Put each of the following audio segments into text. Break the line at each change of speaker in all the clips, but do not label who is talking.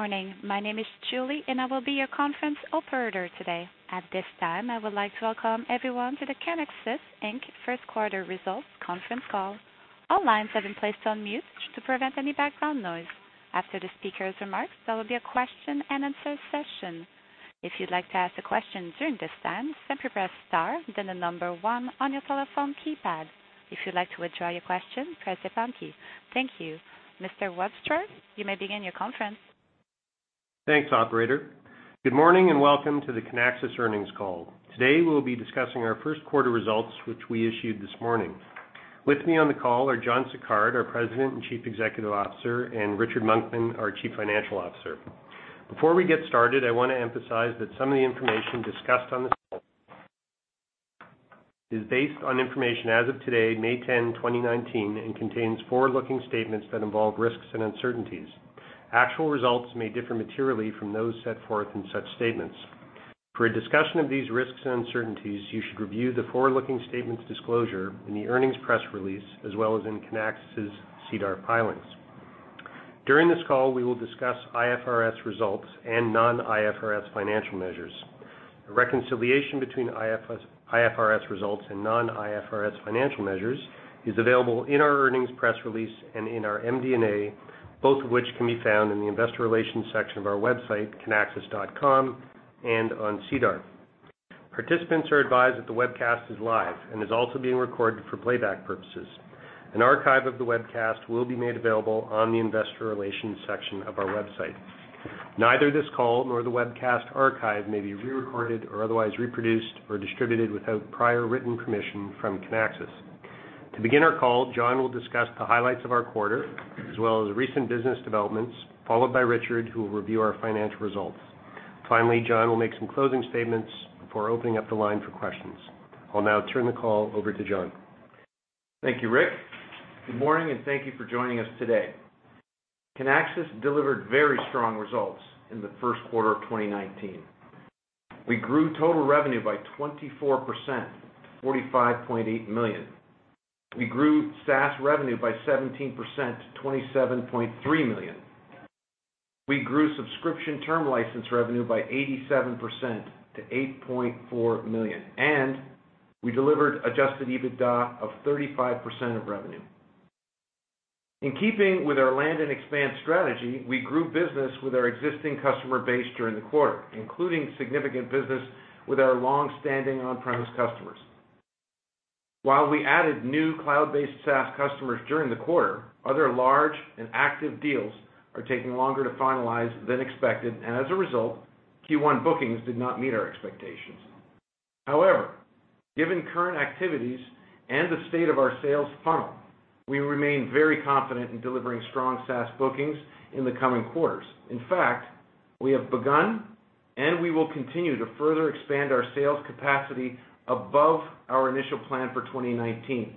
Morning. My name is Julie, and I will be your conference operator today. At this time, I would like to welcome everyone to the Kinaxis Inc. First Quarter Results Conference Call. All lines have been placed on mute to prevent any background noise. After the speakers' remarks, there will be a question and answer session. If you'd like to ask a question during this time, simply press star then the number one on your telephone keypad. If you'd like to withdraw your question, press the pound key. Thank you. Mr. Wadsworth, you may begin your conference.
Thanks, operator. Good morning, and welcome to the Kinaxis earnings call. Today, we will be discussing our first quarter results, which we issued this morning. With me on the call are John Sicard, our President and Chief Executive Officer, and Richard Monkman, our Chief Financial Officer. Before we get started, I want to emphasize that some of the information discussed on this call is based on information as of today, May 10, 2019, and contains forward-looking statements that involve risks and uncertainties. Actual results may differ materially from those set forth in such statements. For a discussion of these risks and uncertainties, you should review the forward-looking statements disclosure in the earnings press release, as well as in Kinaxis' SEDAR filings. During this call, we will discuss IFRS results and non-IFRS financial measures. A reconciliation between IFRS results and non-IFRS financial measures is available in our earnings press release and in our MD&A, both of which can be found in the investor relations section of our website, kinaxis.com, and on SEDAR. Participants are advised that the webcast is live and is also being recorded for playback purposes. An archive of the webcast will be made available on the investor relations section of our website. Neither this call nor the webcast archive may be re-recorded or otherwise reproduced or distributed without prior written permission from Kinaxis. To begin our call, John will discuss the highlights of our quarter, as well as recent business developments, followed by Richard, who will review our financial results. Finally, John will make some closing statements before opening up the line for questions. I'll now turn the call over to John.
Thank you, Rick. Good morning, and thank you for joining us today. Kinaxis delivered very strong results in the first quarter of 2019. We grew total revenue by 24%, to $45.8 million. We grew SaaS revenue by 17%, to $27.3 million. We grew subscription term license revenue by 87%, to $8.4 million, and we delivered adjusted EBITDA of 35% of revenue. In keeping with our land and expand strategy, we grew business with our existing customer base during the quarter, including significant business with our long-standing on-premise customers. While we added new cloud-based SaaS customers during the quarter, other large and active deals are taking longer to finalize than expected, and as a result, Q1 bookings did not meet our expectations. However, given current activities and the state of our sales funnel, we remain very confident in delivering strong SaaS bookings in the coming quarters. In fact, we have begun and we will continue to further expand our sales capacity above our initial plan for 2019.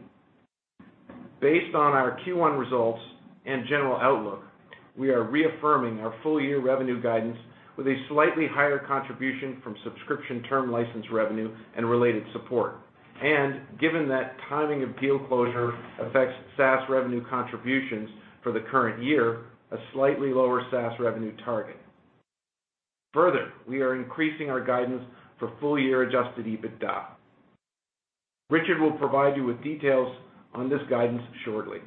Based on our Q1 results and general outlook, we are reaffirming our full-year revenue guidance with a slightly higher contribution from subscription term license revenue and related support. Given that timing of deal closure affects SaaS revenue contributions for the current year, a slightly lower SaaS revenue target. We are increasing our guidance for full-year adjusted EBITDA. Richard will provide you with details on this guidance shortly.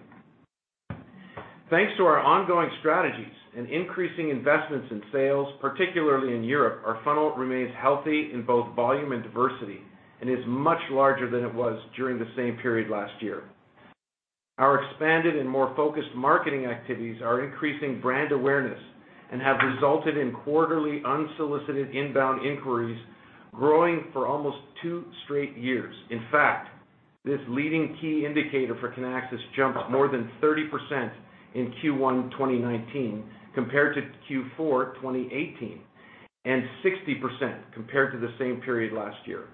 Thanks to our ongoing strategies and increasing investments in sales, particularly in Europe, our funnel remains healthy in both volume and diversity and is much larger than it was during the same period last year. Our expanded and more focused marketing activities are increasing brand awareness and have resulted in quarterly unsolicited inbound inquiries growing for almost two straight years. In fact, this leading key indicator for Kinaxis jumped more than 30% in Q1 2019 compared to Q4 2018, and 60% compared to the same period last year.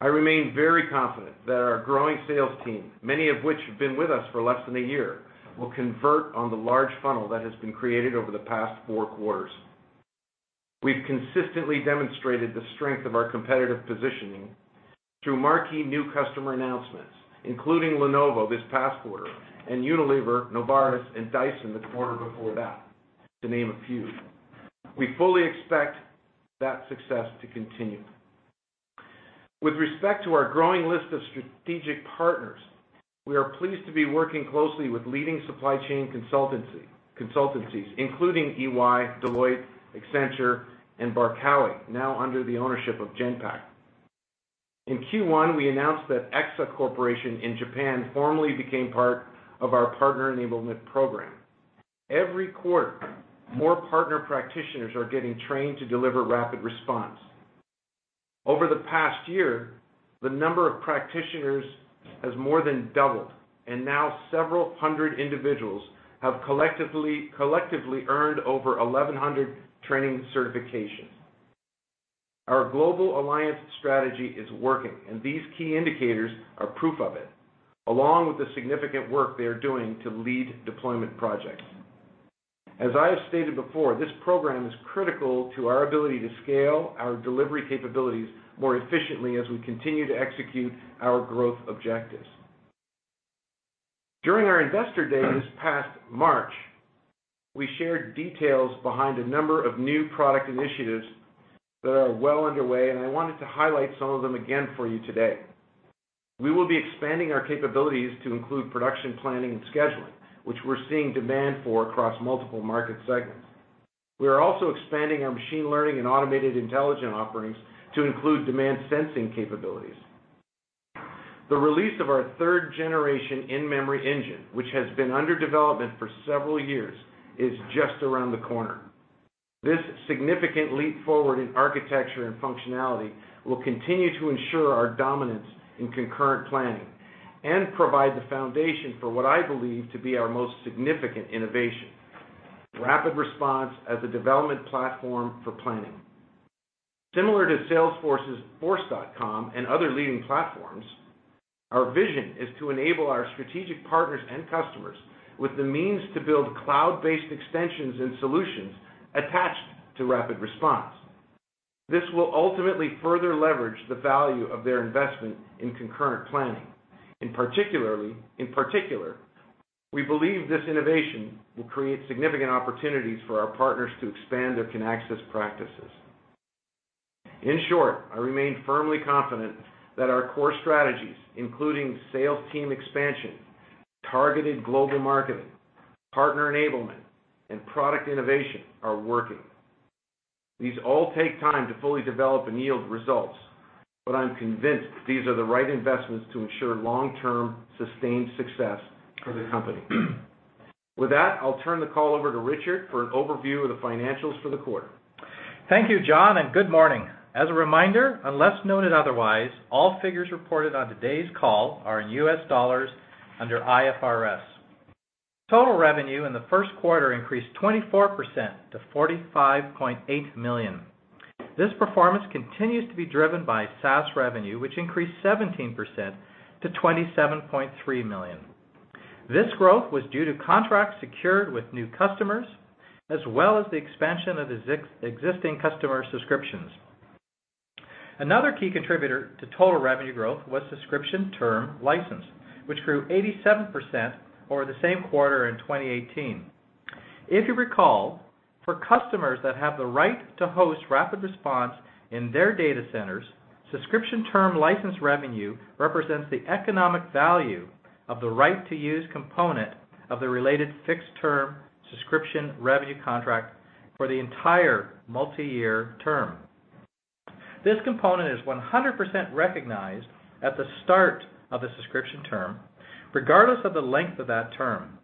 I remain very confident that our growing sales team, many of which have been with us for less than a year, will convert on the large funnel that has been created over the past four quarters. We've consistently demonstrated the strength of our competitive positioning through marquee new customer announcements, including Lenovo this past quarter and Unilever, Novartis, and Dyson the quarter before that, to name a few. We fully expect that success to continue. With respect to our growing list of strategic partners, we are pleased to be working closely with leading supply chain consultancies, including EY, Deloitte, Accenture, and Barkawi, now under the ownership of Genpact. In Q1, we announced that EXA Corporation in Japan formally became part of our Partner Enablement Program. Every quarter, more partner practitioners are getting trained to deliver RapidResponse. Over the past year, the number of practitioners has more than doubled, and now several hundred individuals have collectively earned over 1,100 training certifications. Our global alliance strategy is working, and these key indicators are proof of it, along with the significant work they are doing to lead deployment projects. As I have stated before, this program is critical to our ability to scale our delivery capabilities more efficiently as we continue to execute our growth objectives. During our investor day this past March, we shared details behind a number of new product initiatives that are well underway, and I wanted to highlight some of them again for you today. We will be expanding our capabilities to include production planning and scheduling, which we're seeing demand for across multiple market segments. We are also expanding our machine learning and automated intelligent offerings to include demand sensing capabilities. The release of our third generation in-memory engine, which has been under development for several years, is just around the corner. This significant leap forward in architecture and functionality will continue to ensure our dominance in concurrent planning and provide the foundation for what I believe to be our most significant innovation, RapidResponse as a development platform for planning. Similar to Salesforce's Force.com and other leading platforms, our vision is to enable our strategic partners and customers with the means to build cloud-based extensions and solutions attached to RapidResponse. This will ultimately further leverage the value of their investment in concurrent planning. In particular, we believe this innovation will create significant opportunities for our partners to expand their Kinaxis practices. In short, I remain firmly confident that our core strategies, including sales team expansion, targeted global marketing, Partner Enablement, and product innovation, are working. These all take time to fully develop and yield results, but I am convinced these are the right investments to ensure long-term sustained success for the company. With that, I will turn the call over to Richard for an overview of the financials for the quarter.
Thank you, John, and good morning. As a reminder, unless noted otherwise, all figures reported on today's call are in US dollars under IFRS. Total revenue in the first quarter increased 24% to $45.8 million. This performance continues to be driven by SaaS revenue, which increased 17% to $27.3 million. This growth was due to contracts secured with new customers, as well as the expansion of existing customer subscriptions. Another key contributor to total revenue growth was subscription term license, which grew 87% over the same quarter in 2018. If you recall, for customers that have the right to host RapidResponse in their data centers, subscription term license revenue represents the economic value of the right-to-use component of the related fixed term subscription revenue contract for the entire multi-year term. This component is 100% recognized at the start of the subscription term, regardless of the length of that term.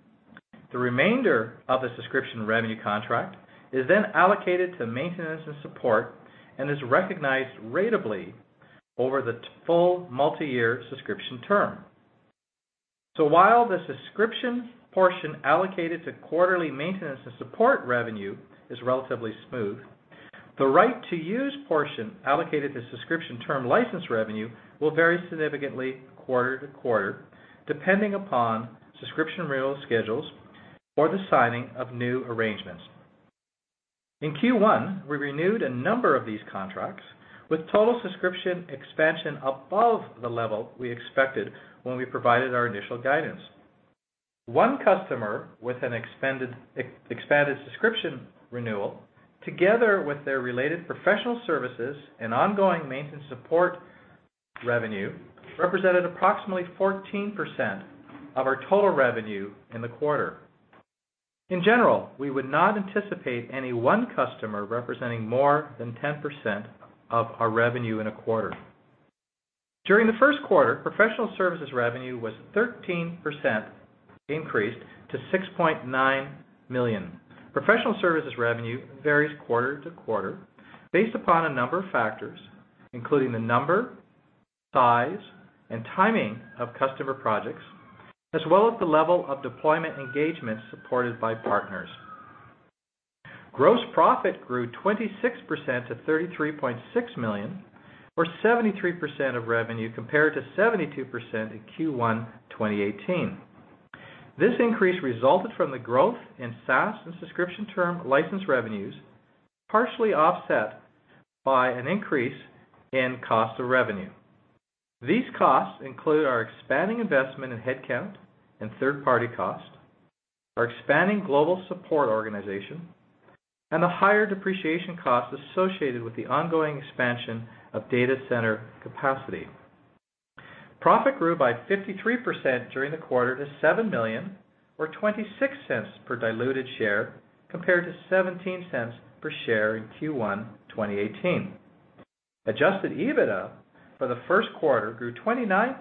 The remainder of the subscription revenue contract is then allocated to maintenance and support and is recognized ratably over the full multi-year subscription term. While the subscription portion allocated to quarterly maintenance and support revenue is relatively smooth, the right-to-use portion allocated to subscription term license revenue will vary significantly quarter to quarter, depending upon subscription renewal schedules or the signing of new arrangements. In Q1, we renewed a number of these contracts with total subscription expansion above the level we expected when we provided our initial guidance. One customer with an expanded subscription renewal together with their related professional services and ongoing maintenance support revenue represented approximately 14% of our total revenue in the quarter. In general, we would not anticipate any one customer representing more than 10% of our revenue in a quarter. During the first quarter, professional services revenue was 13% increased to $6.9 million. Professional services revenue varies quarter to quarter based upon a number of factors, including the number, size, and timing of customer projects, as well as the level of deployment engagement supported by partners. Gross profit grew 26% to $33.6 million or 73% of revenue compared to 72% in Q1 2018. This increase resulted from the growth in SaaS and subscription term license revenues, partially offset by an increase in cost of revenue. These costs include our expanding investment in headcount and third-party cost, our expanding global support organization, and the higher depreciation cost associated with the ongoing expansion of data center capacity. Profit grew by 53% during the quarter to $7 million or $0.26 per diluted share, compared to $0.17 per share in Q1 2018. Adjusted EBITDA for the first quarter grew 29%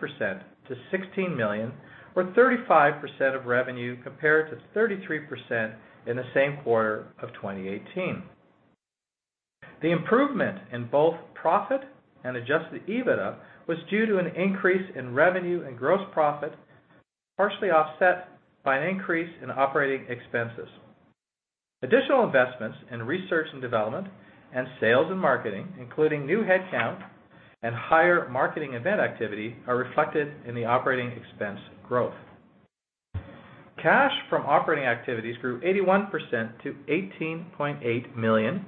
to $16 million or 35% of revenue compared to 33% in the same quarter of 2018. The improvement in both profit and adjusted EBITDA was due to an increase in revenue and gross profit, partially offset by an increase in operating expenses. Additional investments in research and development and sales and marketing, including new headcount and higher marketing event activity, are reflected in the operating expense growth. Cash from operating activities grew 81% to $18.8 million,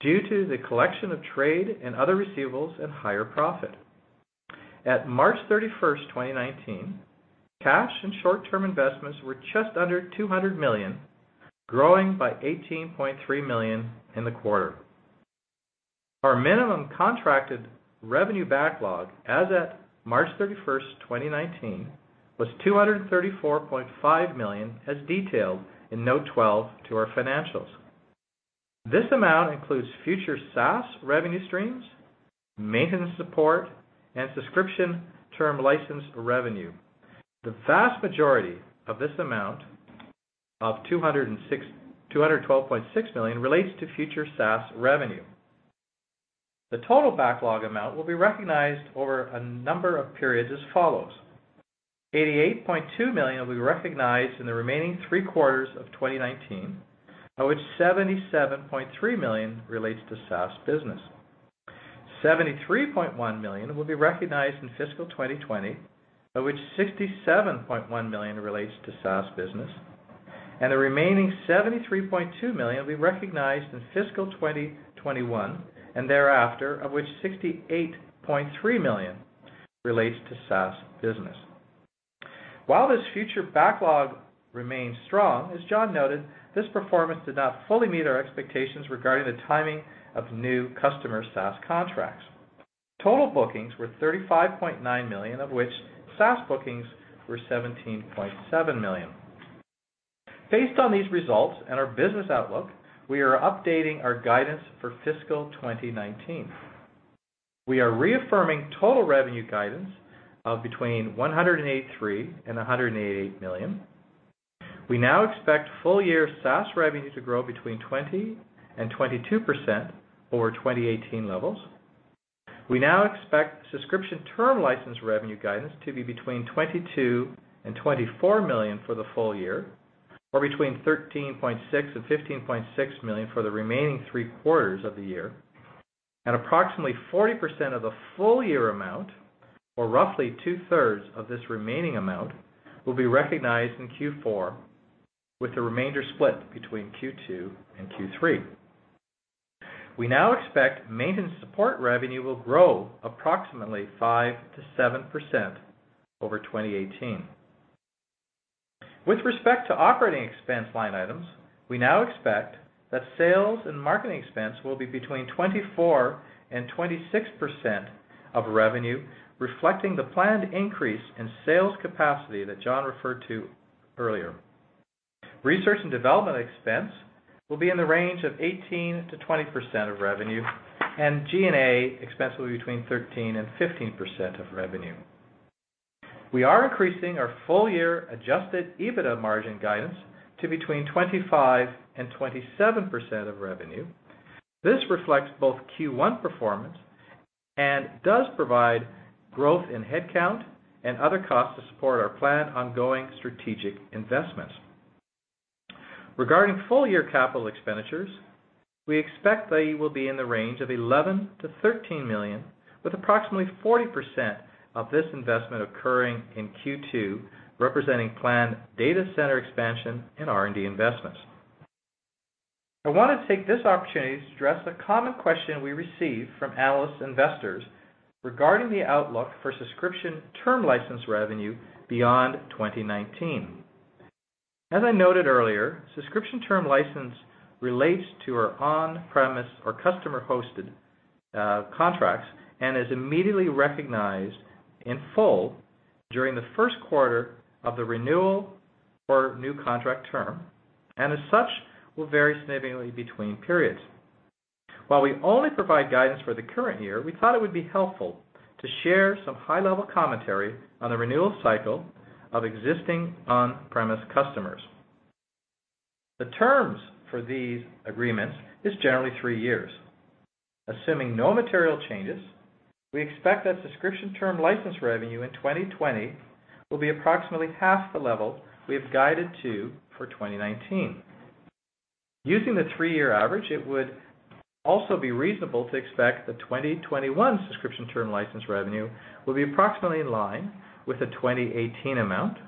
due to the collection of trade and other receivables at higher profit. At March 31st, 2019, cash and short-term investments were just under $200 million, growing by $18.3 million in the quarter. Our minimum contracted revenue backlog as of March 31st, 2019, was $234.5 million, as detailed in Note 12 to our financials. This amount includes future SaaS revenue streams, maintenance support, and subscription term license revenue. The vast majority of this amount of $212.6 million relates to future SaaS revenue. The total backlog amount will be recognized over a number of periods as follows. $88.2 million will be recognized in the remaining three quarters of 2019, of which $77.3 million relates to SaaS business. $73.1 million will be recognized in fiscal 2020, of which $67.1 million relates to SaaS business, and the remaining $73.2 million will be recognized in fiscal 2021 and thereafter, of which $68.3 million relates to SaaS business. While this future backlog remains strong, as John noted, this performance did not fully meet our expectations regarding the timing of new customer SaaS contracts. Total bookings were $35.9 million, of which SaaS bookings were $17.7 million. Based on these results and our business outlook, we are updating our guidance for fiscal 2019. We are reaffirming total revenue guidance of between $183 million and $188 million. We now expect full year SaaS revenue to grow between 20% and 22% over 2018 levels. We now expect subscription term license revenue guidance to be between $22 million and $24 million for the full year, or between $13.6 million and $15.6 million for the remaining three quarters of the year. Approximately 40% of the full-year amount, or roughly two-thirds of this remaining amount, will be recognized in Q4, with the remainder split between Q2 and Q3. We now expect maintenance support revenue will grow approximately 5% to 7% over 2018. With respect to operating expense line items, we now expect that sales and marketing expense will be between 24% and 26% of revenue, reflecting the planned increase in sales capacity that John referred to earlier. Research and development expense will be in the range of 18% to 20% of revenue. G&A expense will be between 13% and 15% of revenue. We are increasing our full-year adjusted EBITDA margin guidance to between 25% and 27% of revenue. This reflects both Q1 performance and does provide growth in headcount and other costs to support our planned ongoing strategic investments. Regarding full-year capital expenditures, we expect they will be in the range of $11 million-$13 million, with approximately 40% of this investment occurring in Q2, representing planned data center expansion and R&D investments. I want to take this opportunity to address a common question we receive from analysts and investors regarding the outlook for subscription term license revenue beyond 2019. As I noted earlier, subscription term license relates to our on-premise or customer-hosted contracts, and is immediately recognized in full during the first quarter of the renewal or new contract term, and as such, will vary significantly between periods. While we only provide guidance for the current year, we thought it would be helpful to share some high-level commentary on the renewal cycle of existing on-premise customers. The terms for these agreements is generally three years. Assuming no material changes, we expect that subscription term license revenue in 2020 will be approximately half the level we have guided to for 2019. Using the three-year average, it would also be reasonable to expect the 2021 subscription term license revenue will be approximately in line with the 2018 amount,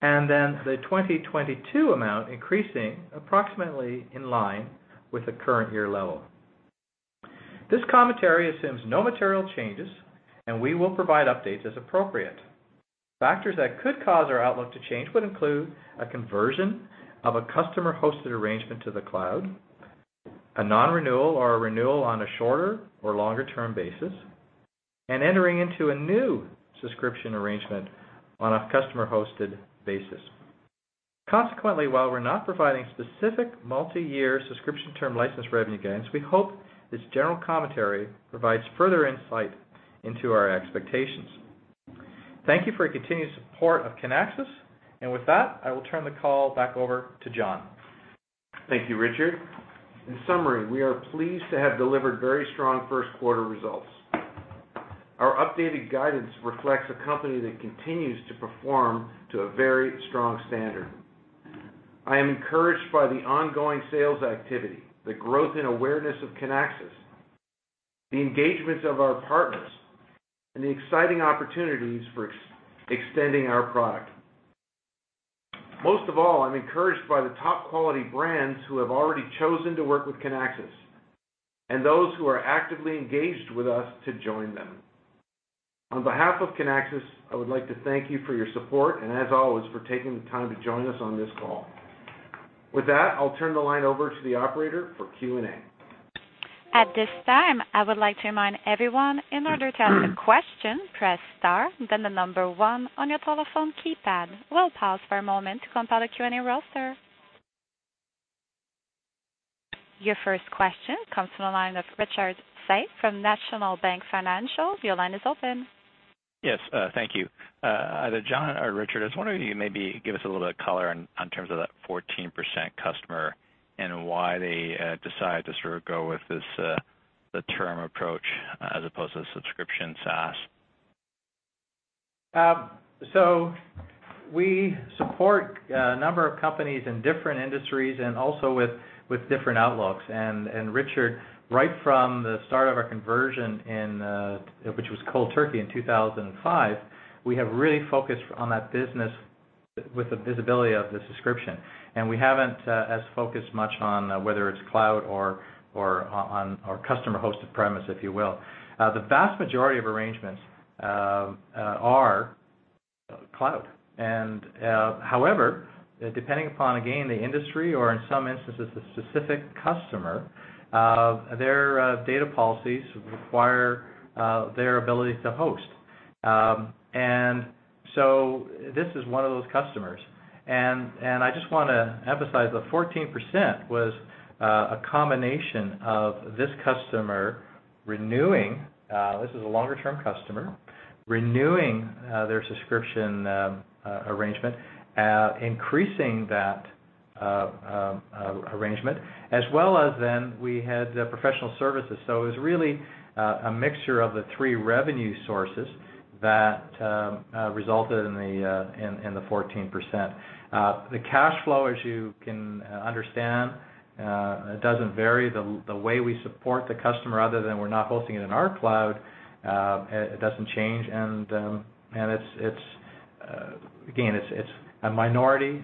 and then the 2022 amount increasing approximately in line with the current year level. This commentary assumes no material changes. We will provide updates as appropriate. Factors that could cause our outlook to change would include a conversion of a customer-hosted arrangement to the cloud, a non-renewal or a renewal on a shorter or longer-term basis, and entering into a new subscription arrangement on a customer-hosted basis. Consequently, while we're not providing specific multi-year subscription term license revenue guidance, we hope this general commentary provides further insight into our expectations. Thank you for your continued support of Kinaxis, and with that, I will turn the call back over to John.
Thank you, Richard. In summary, we are pleased to have delivered very strong first-quarter results. Our updated guidance reflects a company that continues to perform to a very strong standard. I am encouraged by the ongoing sales activity, the growth in awareness of Kinaxis, the engagements of our partners, and the exciting opportunities for extending our product. Most of all, I'm encouraged by the top-quality brands who have already chosen to work with Kinaxis, and those who are actively engaged with us to join them. On behalf of Kinaxis, I would like to thank you for your support, and as always, for taking the time to join us on this call. With that, I'll turn the line over to the operator for Q&A.
At this time, I would like to remind everyone, in order to ask a question, press star then the number 1 on your telephone keypad. We'll pause for a moment to compile a Q&A roster. Your first question comes from the line of Richard Tse from National Bank Financial. Your line is open.
Yes. Thank you. Either John or Richard, I was wondering if you maybe give us a little bit of color in terms of that 14% customer and why they decide to sort of go with this term approach as opposed to subscription SaaS.
We support a number of companies in different industries and also with different outlooks. Richard, right from the start of our conversion, which was cold turkey in 2005, we have really focused on that business with the visibility of the subscription, and we haven't as focused much on whether it's cloud or on our customer-hosted premise, if you will. The vast majority of arrangements are cloud. However, depending upon, again, the industry or in some instances, the specific customer, their data policies require their ability to host. This is one of those customers, and I just want to emphasize the 14% was a combination of this customer renewing. This is a longer-term customer, renewing their subscription arrangement, increasing that arrangement as well as then we had professional services. It was really a mixture of the three revenue sources that resulted in the 14%. The cash flow, as you can understand, it doesn't vary the way we support the customer other than we're not hosting it in our cloud. It doesn't change, and again, it's a minority,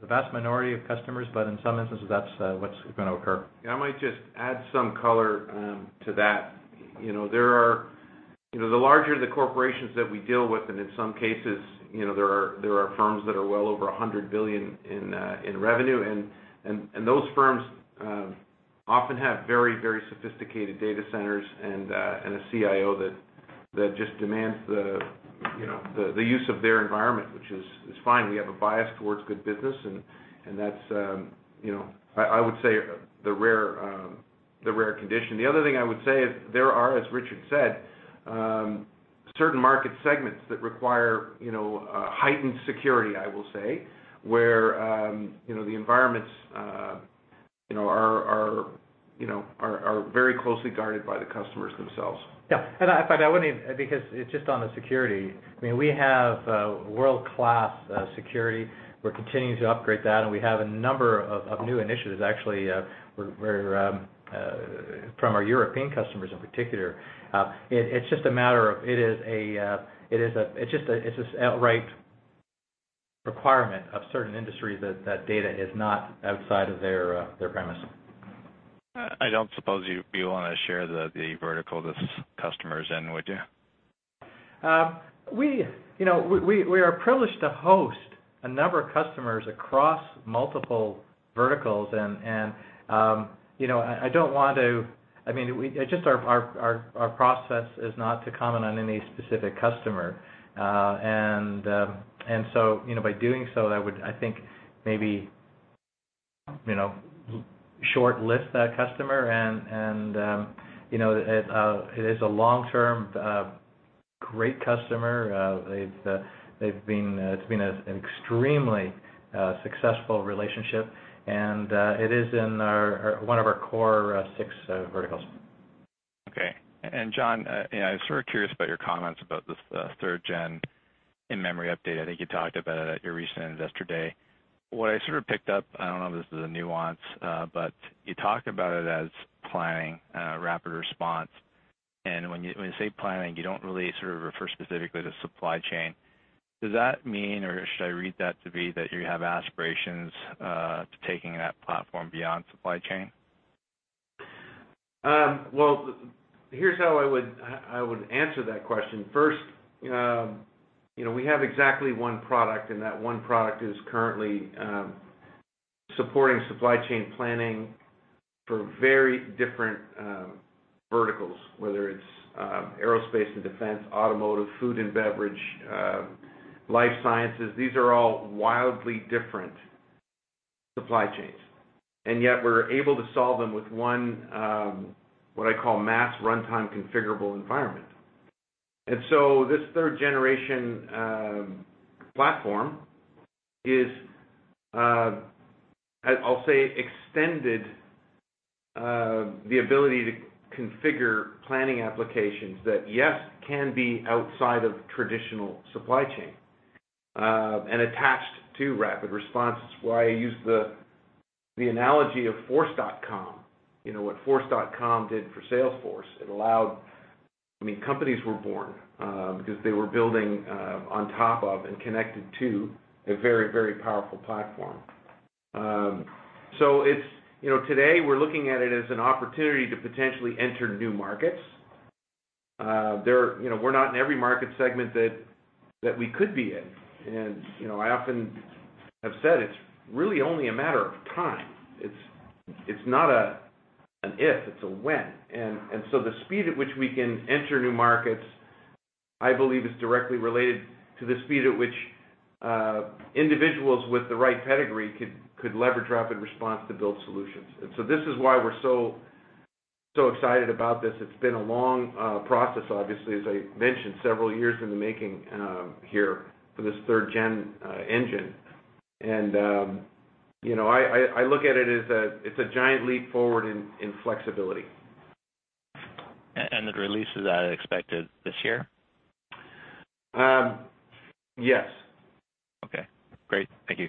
the vast minority of customers, but in some instances, that's what's going to occur.
I might just add some color to that. The larger the corporations that we deal with, in some cases, there are firms that are well over 100 billion in revenue, those firms often have very sophisticated data centers and a CIO that just demands the use of their environment, which is fine. We have a bias towards good business, that's, I would say, the rare condition. The other thing I would say is there are, as Richard said, certain market segments that require heightened security, I will say, where the environments are very closely guarded by the customers themselves.
Yeah. Because it's just on the security, we have world-class security. We're continuing to upgrade that, and we have a number of new initiatives actually from our European customers in particular. It's just an outright requirement of certain industries that data is not outside of their premise.
I don't suppose you'd be willing to share the vertical this customer is in, would you?
We are privileged to host a number of customers across multiple verticals. Our process is not to comment on any specific customer. By doing so, I would, I think maybe short list that customer, and it is a long-term, great customer. It's been an extremely successful relationship, and it is in one of our core six verticals.
Okay. John, I was sort of curious about your comments about this 3rd-gen in-memory update. I think you talked about it at your recent Investor Day. What I sort of picked up, I don't know if this is a nuance, but you talked about it as planning RapidResponse. When you say planning, you don't really sort of refer specifically to supply chain. Does that mean, or should I read that to be that you have aspirations to taking that platform beyond supply chain?
Well, here's how I would answer that question. First, we have exactly one product, and that one product is currently supporting supply chain planning for very different verticals, whether it's aerospace and defense, automotive, food and beverage, life sciences. These are all wildly different supply chains, and yet we're able to solve them with one, what I call mass runtime configurable environment. This third-generation platform is, I'll say, extended the ability to configure planning applications that, yes, can be outside of traditional supply chain and attached to RapidResponse is why I use the analogy of Force.com. What Force.com did for Salesforce, companies were born because they were building on top of and connected to a very powerful platform. Today, we're looking at it as an opportunity to potentially enter new markets. We're not in every market segment that we could be in. I often have said it's really only a matter of time. It's not an if, it's a when. The speed at which we can enter new markets, I believe, is directly related to the speed at which individuals with the right pedigree could leverage RapidResponse to build solutions. This is why we're so excited about this. It's been a long process, obviously, as I mentioned, several years in the making here for this third-gen engine. I look at it as a giant leap forward in flexibility.
The release of that is expected this year?
Yes.
Okay, great. Thank you.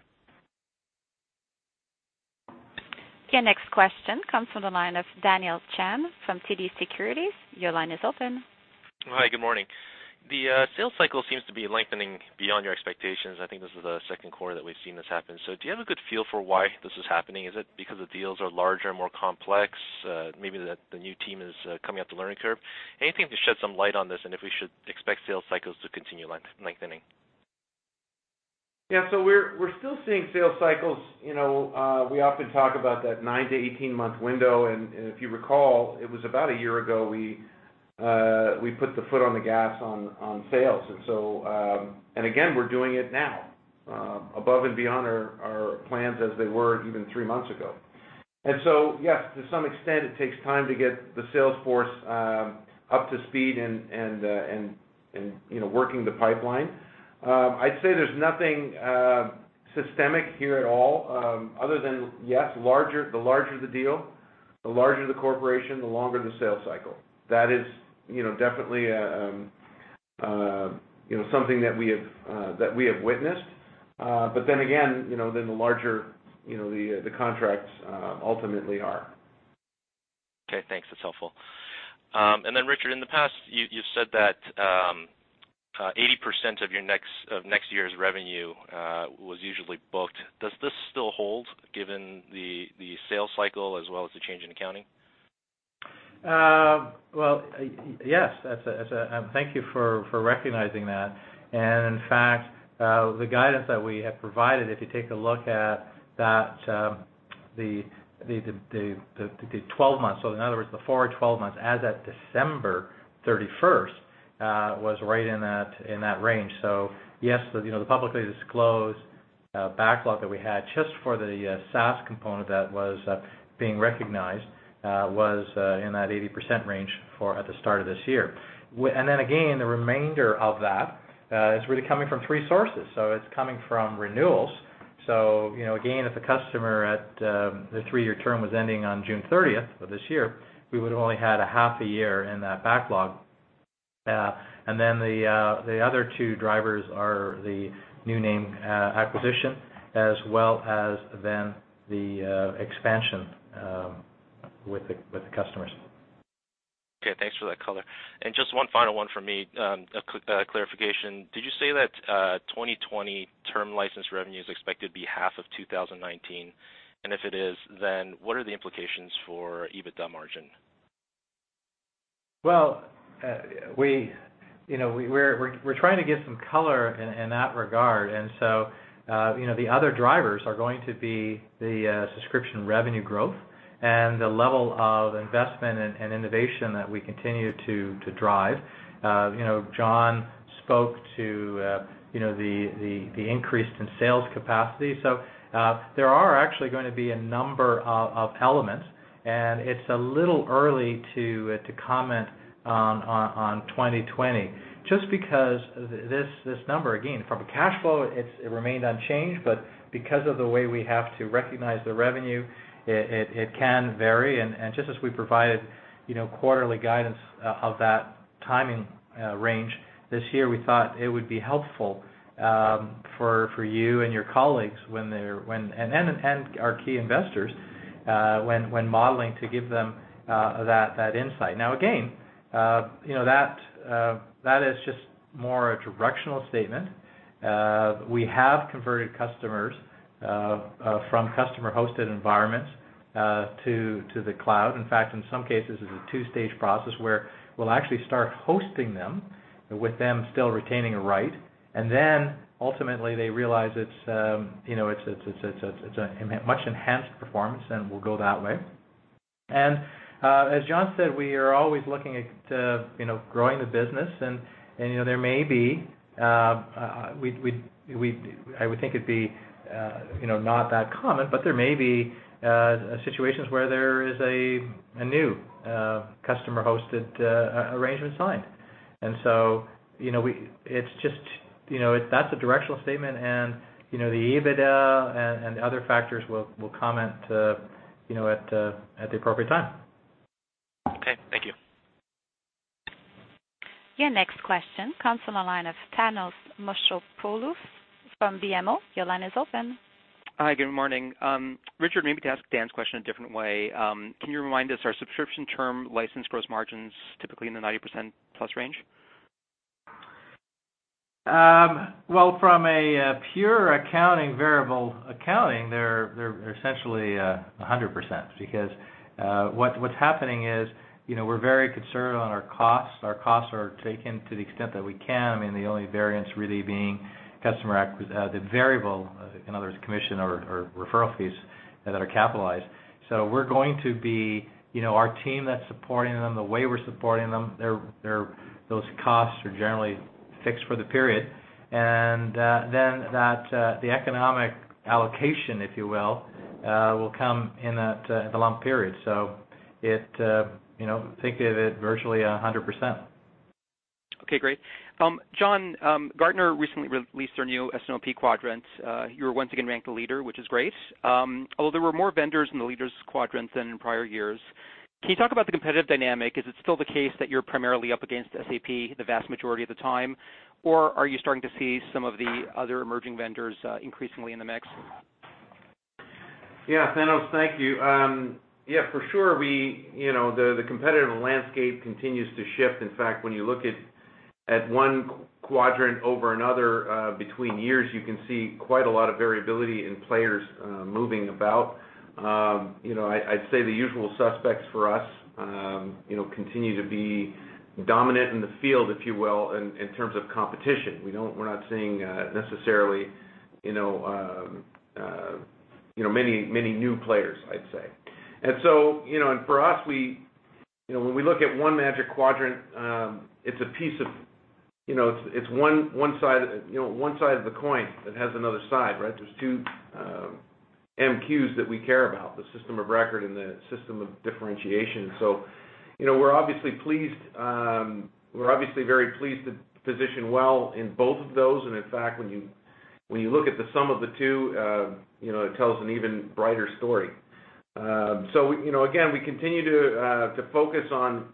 Your next question comes from the line of Daniel Chan from TD Securities. Your line is open.
Hi, good morning. The sales cycle seems to be lengthening beyond your expectations. I think this is the second quarter that we've seen this happen. Do you have a good feel for why this is happening? Is it because the deals are larger and more complex? Maybe the new team is coming up the learning curve. Anything to shed some light on this, and if we should expect sales cycles to continue lengthening?
Yeah. We're still seeing sales cycles. We often talk about that nine to 18-month window. Again, we're doing it now, above and beyond our plans as they were even three months ago. Yes, to some extent, it takes time to get the sales force up to speed and working the pipeline. I'd say there's nothing systemic here at all other than, yes, the larger the deal, the larger the corporation, the longer the sales cycle. That is definitely something that we have witnessed. Again, the larger the contracts ultimately are.
Okay, thanks. That's helpful. Richard, in the past, you've said that 80% of next year's revenue was usually booked. Does this still hold given the sales cycle as well as the change in accounting?
Well, yes. Thank you for recognizing that. In fact, the guidance that we have provided, if you take a look at the 12 months, in other words, the forward 12 months as of December 31st, was right in that range. Yes, the publicly disclosed backlog that we had just for the SaaS component that was being recognized was in that 80% range at the start of this year. Again, the remainder of that is really coming from three sources. It's coming from renewals. Again, if a customer at the three-year term was ending on June 30th of this year, we would've only had a half a year in that backlog. The other two drivers are the new name acquisition as well as then the expansion with the customers.
Okay, thanks for that color. Just one final one from me, a clarification. Did you say that 2020 term license revenue is expected to be half of 2019? If it is, what are the implications for EBITDA margin?
Well, we're trying to give some color in that regard. The other drivers are going to be the subscription revenue growth and the level of investment and innovation that we continue to drive. John spoke to the increase in sales capacity. There are actually going to be a number of elements, and it's a little early to comment on 2020. Just because this number, again, from a cash flow, it remained unchanged, but because of the way we have to recognize the revenue, it can vary. Just as we provided quarterly guidance of that timing range this year, we thought it would be helpful for you and your colleagues and our key investors when modeling to give them that insight. Again, that is just more a directional statement. We have converted customers from customer-hosted environments to the cloud. In fact, in some cases, it's a 2-stage process where we'll actually start hosting them with them still retaining a right, ultimately they realize it's a much-enhanced performance, and we'll go that way. As John said, we are always looking at growing the business, and there may be-- I would think it'd be not that common, but there may be situations where there is a A new customer-hosted arrangement signed. That's a directional statement and the EBITDA and other factors we'll comment at the appropriate time.
Okay, thank you.
Your next question comes from the line of Thanos Moschopoulos from BMO. Your line is open.
Hi, good morning. Richard, maybe to ask Dan's question a different way, can you remind us, are subscription term license gross margins typically in the 90% plus range?
Well, from a pure accounting variable accounting, they're essentially 100%, because what's happening is we're very concerned on our costs. Our costs are taken to the extent that we can, I mean, the only variance really being the variable, in other words, commission or referral fees that are capitalized. Our team that's supporting them the way we're supporting them, those costs are generally fixed for the period. Then the economic allocation, if you will come in the lump period. Think of it virtually 100%.
Okay, great. John, Gartner recently released their new S&OP quadrant. You were once again ranked the leader, which is great. Although there were more vendors in the leaders quadrant than in prior years. Can you talk about the competitive dynamic? Is it still the case that you're primarily up against SAP the vast majority of the time, or are you starting to see some of the other emerging vendors increasingly in the mix?
Yes, Thanos, thank you. Yeah, for sure, the competitive landscape continues to shift. In fact, when you look at one quadrant over another between years, you can see quite a lot of variability in players moving about. I'd say the usual suspects for us continue to be dominant in the field, if you will, in terms of competition. We're not seeing necessarily many new players, I'd say. For us, when we look at one Magic Quadrant, it's one side of the coin that has another side, right? There's two MQs that we care about, the system of record and the system of differentiation. We're obviously very pleased to position well in both of those, and in fact, when you look at the sum of the two, it tells an even brighter story. Again, we continue to focus on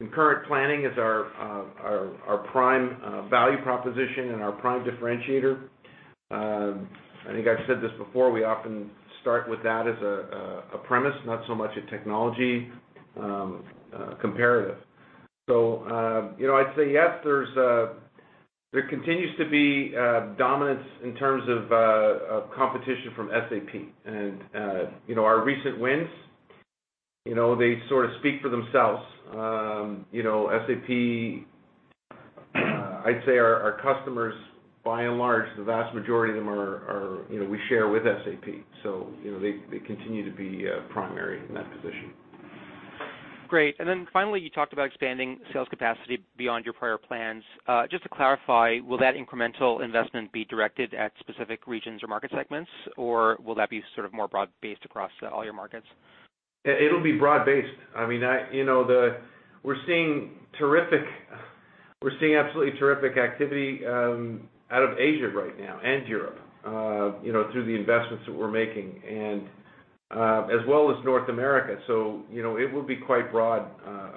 concurrent planning as our prime value proposition and our prime differentiator. I think I've said this before, we often start with that as a premise, not so much a technology comparative. I'd say yes, there continues to be dominance in terms of competition from SAP. Our recent wins, they sort of speak for themselves. SAP, I'd say our customers, by and large, the vast majority of them we share with SAP. They continue to be primary in that position.
Great. Finally, you talked about expanding sales capacity beyond your prior plans. Just to clarify, will that incremental investment be directed at specific regions or market segments, or will that be sort of more broad-based across all your markets?
It'll be broad-based. We're seeing absolutely terrific activity out of Asia right now, and Europe, through the investments that we're making. As well as North America. It will be quite broad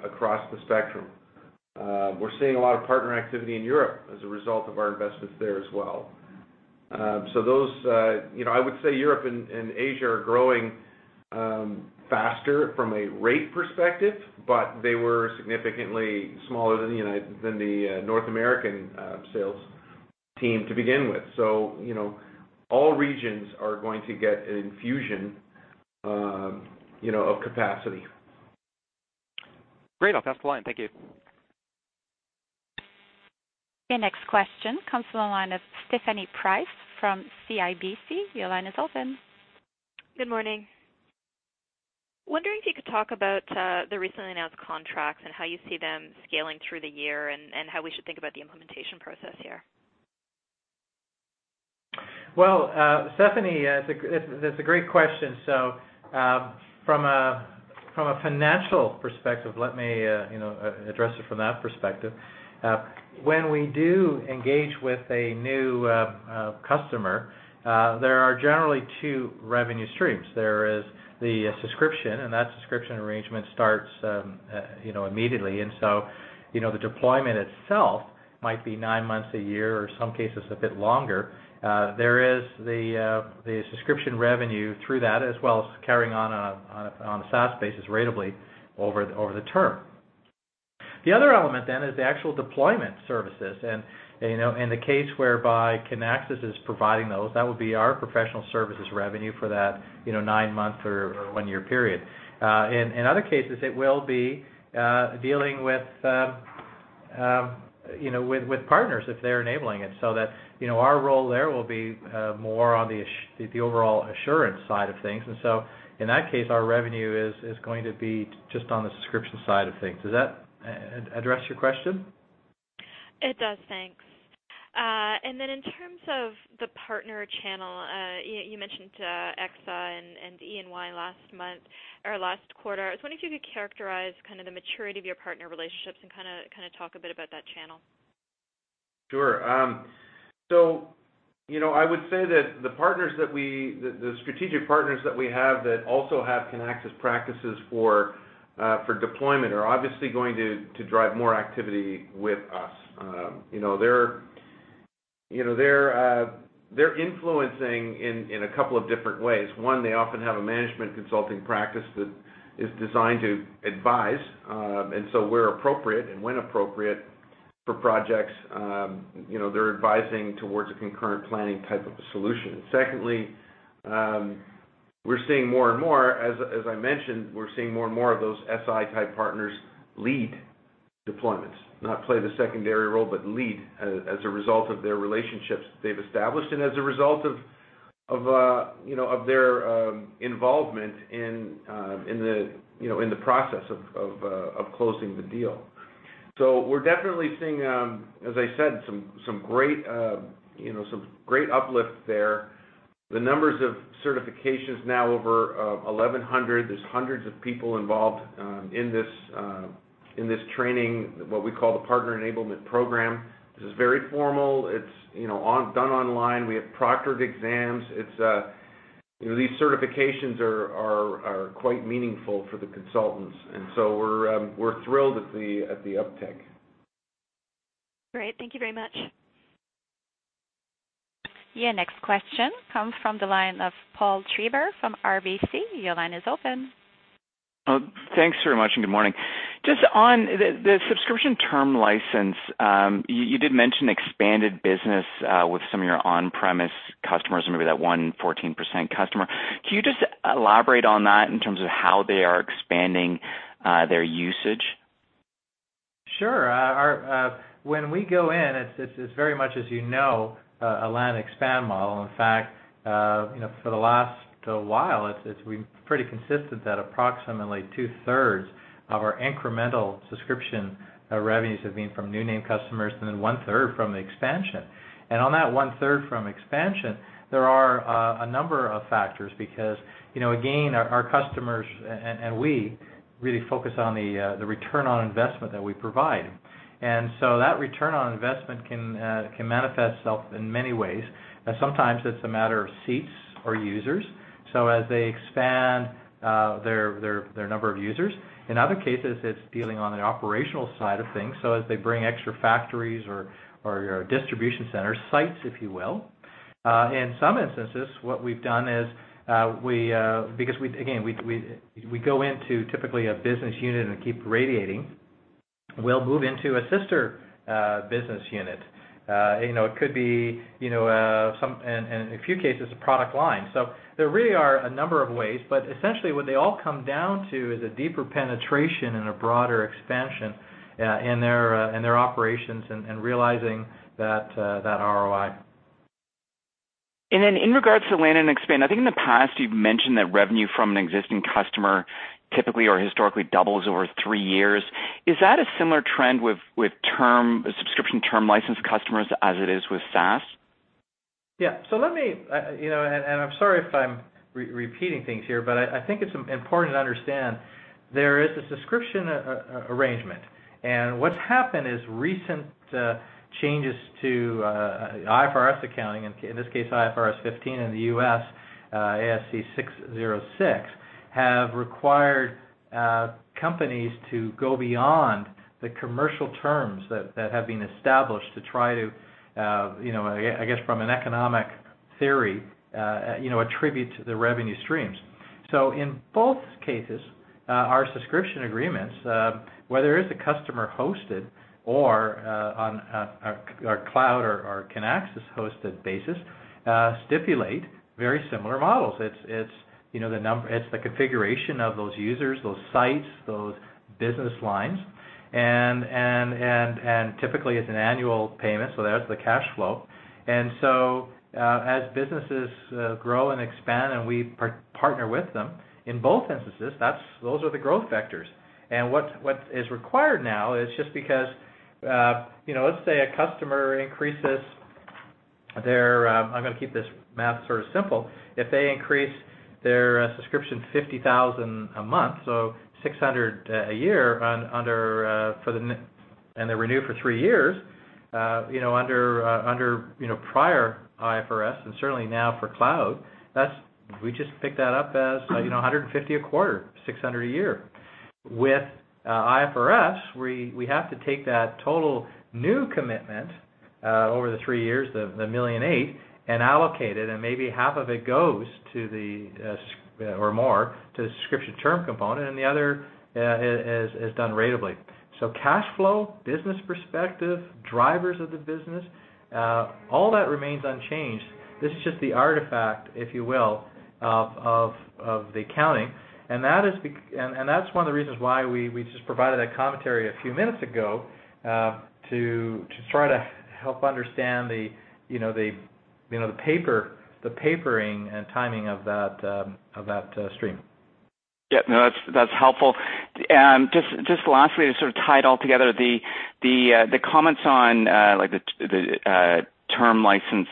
across the spectrum. We're seeing a lot of partner activity in Europe as a result of our investments there as well. I would say Europe and Asia are growing faster from a rate perspective, but they were significantly smaller than the North American sales team to begin with. All regions are going to get an infusion of capacity.
Great. I'll pass the line. Thank you.
Your next question comes from the line of Stephanie Price from CIBC. Your line is open.
Good morning. Wondering if you could talk about the recently announced contracts and how you see them scaling through the year, and how we should think about the implementation process here?
Well, Stephanie, that's a great question. From a financial perspective, let me address it from that perspective. When we do engage with a new customer, there are generally two revenue streams. There is the subscription, and that subscription arrangement starts immediately. The deployment itself might be nine months, a year, or in some cases a bit longer. There is the subscription revenue through that, as well as carrying on a SaaS basis ratably over the term. The other element is the actual deployment services. In the case whereby Kinaxis is providing those, that would be our professional services revenue for that nine-month or one-year period. In other cases, it will be dealing with partners, if they're enabling it. That, our role there will be more on the overall assurance side of things. In that case, our revenue is going to be just on the subscription side of things. Does that address your question?
It does, thanks. In terms of the partner channel, you mentioned EXA and E&Y last month or last quarter. I was wondering if you could characterize the maturity of your partner relationships and talk a bit about that channel.
Sure. I would say that the strategic partners that we have that also have Kinaxis practices for deployment are obviously going to drive more activity with us. They're influencing in a couple of different ways. One, they often have a management consulting practice that is designed to advise, and where appropriate and when appropriate for projects, they're advising towards a concurrent planning type of a solution. We're seeing more and more, as I mentioned, we're seeing more and more of those SI-type partners lead deployments, not play the secondary role, but lead as a result of their relationships they've established and as a result of their involvement in the process of closing the deal. We're definitely seeing, as I said, some great uplift there. The numbers of certifications now over 1,100. There's hundreds of people involved in this training, what we call the Partner Enablement Program. This is very formal. It's done online. We have proctored exams. These certifications are quite meaningful for the consultants, we're thrilled at the uptick.
Great. Thank you very much.
Yeah. Next question comes from the line of Paul Treiber from RBC. Your line is open.
Thanks very much. Good morning. Just on the subscription term license, you did mention expanded business with some of your on-premise customers, maybe that one 14% customer. Can you just elaborate on that in terms of how they are expanding their usage?
Sure. When we go in, it's very much, as you know, a land expand model. In fact, for the last while, it's been pretty consistent that approximately two-thirds of our incremental subscription revenues have been from new name customers and then one-third from the expansion. On that one-third from expansion, there are a number of factors because, again, our customers and we really focus on the return on investment that we provide. So that return on investment can manifest itself in many ways, and sometimes it's a matter of seats or users, so as they expand their number of users. In other cases, it's dealing on the operational side of things, so as they bring extra factories or distribution centers, sites, if you will. In some instances, what we've done is, because again, we go into typically a business unit and keep radiating, we'll move into a sister business unit. It could be, in a few cases, a product line. There really are a number of ways, but essentially what they all come down to is a deeper penetration and a broader expansion in their operations and realizing that ROI.
In regards to land and expand, I think in the past you've mentioned that revenue from an existing customer typically or historically doubles over three years. Is that a similar trend with subscription term license customers as it is with SaaS?
Yeah. I am sorry if I am repeating things here, but I think it is important to understand there is a subscription arrangement. What has happened is recent changes to IFRS accounting, in this case, IFRS 15 in the U.S., ASC 606, have required companies to go beyond the commercial terms that have been established to try to, I guess, from an economic theory, attribute to the revenue streams. In both cases, our subscription agreements, whether it is a customer-hosted or on a cloud or Kinaxis-hosted basis, stipulate very similar models. It is the configuration of those users, those sites, those business lines, and typically it is an annual payment, so there is the cash flow. As businesses grow and expand and we partner with them, in both instances, those are the growth vectors. What is required now is just because, let us say a customer increases their, I am going to keep this math sort of simple, if they increase their subscription $50,000 a month, so $600 a year, and they renew for three years, under prior IFRS and certainly now for cloud, we just pick that up as $150 a quarter, $600 a year. With IFRS, we have to take that total new commitment over the three years, the $1.8 million, and allocate it, and maybe half of it goes, or more, to the subscription term component, and the other is done ratably. Cash flow, business perspective, drivers of the business, all that remains unchanged. This is just the artifact, if you will, of the accounting, and that is one of the reasons why we just provided that commentary a few minutes ago, to try to help understand the papering and timing of that stream.
Yeah. No, that is helpful. Just lastly, to sort of tie it all together, the comments on the term license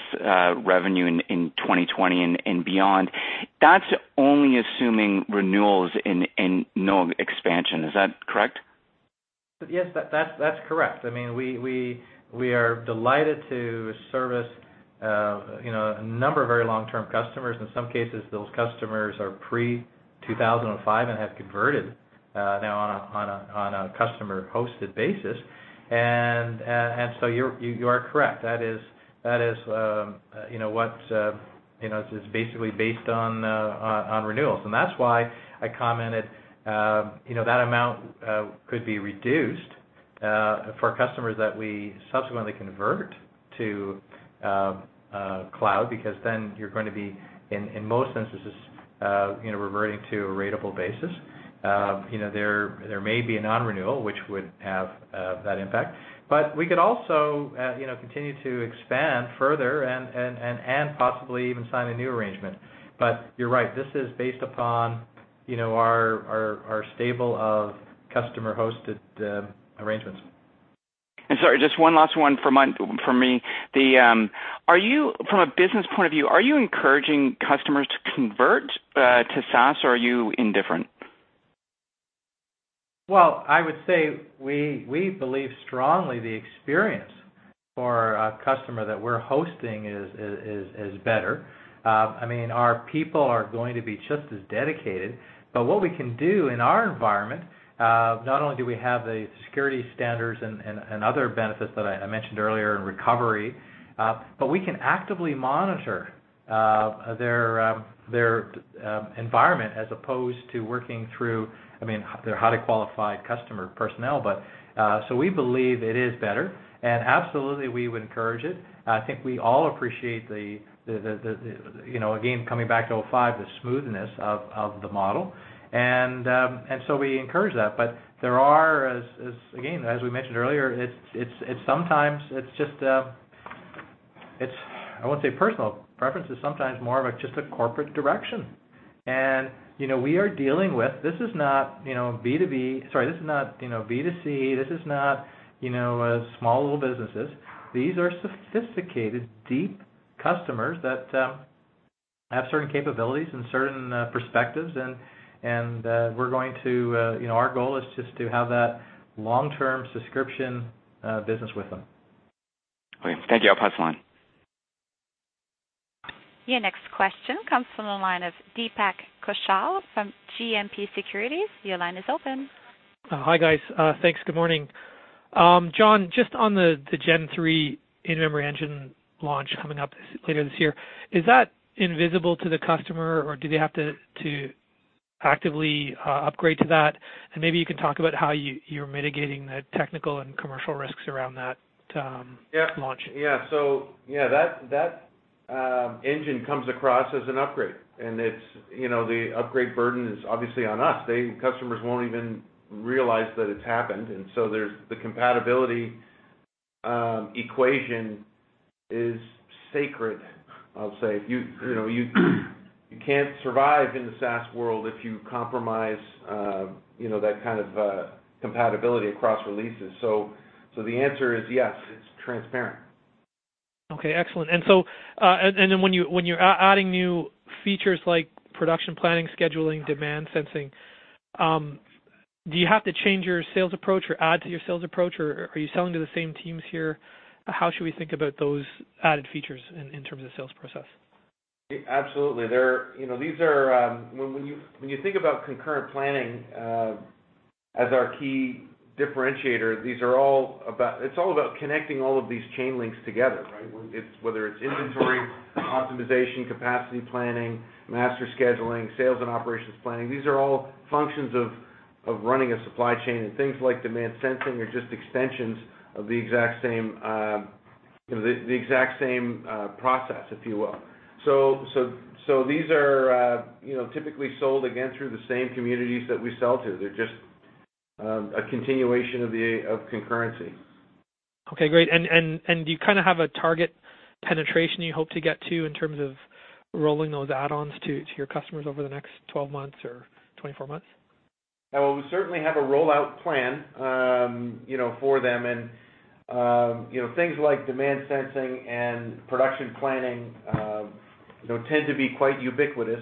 revenue in 2020 and beyond, that is only assuming renewals and no expansion. Is that correct?
Yes, that's correct. We are delighted to service a number of very long-term customers. In some cases, those customers are pre-2005 and have converted now on a customer-hosted basis. You are correct. That is what. It's basically based on renewals. That's why I commented that amount could be reduced for customers that we subsequently convert to cloud, because then you're going to be, in most instances, reverting to a ratable basis. There may be a non-renewal, which would have that impact. We could also continue to expand further and possibly even sign a new arrangement. You're right. This is based upon our stable of customer-hosted arrangements.
Sorry, just one last one from me. From a business point of view, are you encouraging customers to convert to SaaS, or are you indifferent?
Well, I would say we believe strongly the experience for a customer that we're hosting is better. Our people are going to be just as dedicated. What we can do in our environment, not only do we have the security standards and other benefits that I mentioned earlier in recovery, but we can actively monitor their environment as opposed to working through their highly qualified customer personnel. We believe it is better, and absolutely, we would encourage it. I think we all appreciate the, again, coming back to '05, the smoothness of the model. We encourage that. There are, again, as we mentioned earlier, it's sometimes, I won't say personal preferences, sometimes more of just a corporate direction. We are dealing with. This is not B2C, this is not small little businesses. These are sophisticated, deep customers that have certain capabilities and certain perspectives, and our goal is just to have that long-term subscription business with them.
Okay. Thank you. I'll pass the line.
Your next question comes from the line of Deepak Kaushal from GMP Securities. Your line is open.
Hi, guys. Thanks. Good morning. John, just on the Gen III in-memory engine launch coming up later this year, is that invisible to the customer, or do they have to actively upgrade to that? Maybe you can talk about how you're mitigating the technical and commercial risks around that launch.
Yeah. That engine comes across as an upgrade, and the upgrade burden is obviously on us. The customers won't even realize that it's happened. The compatibility equation is sacred, I'll say. You can't survive in the SaaS world if you compromise that kind of compatibility across releases. The answer is yes, it's transparent.
When you're adding new features like production planning, scheduling, demand sensing, do you have to change your sales approach or add to your sales approach, or are you selling to the same teams here? How should we think about those added features in terms of sales process?
Absolutely. When you think about concurrent planning as our key differentiator, it's all about connecting all of these chain links together, right? Whether it's inventory optimization, capacity planning, master scheduling, sales and operations planning, these are all functions of running a supply chain, and things like demand sensing are just extensions of the exact same process, if you will. These are typically sold, again, through the same communities that we sell to. They're just a continuation of concurrency.
Okay, great. Do you kind of have a target penetration you hope to get to in terms of rolling those add-ons to your customers over the next 12 months or 24 months?
We certainly have a rollout plan for them, and things like demand sensing and production planning tend to be quite ubiquitous.